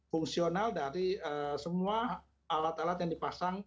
fungsional dari semua alat alat yang dipasang